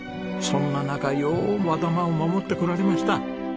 そんな中よう和玉を守ってこられました。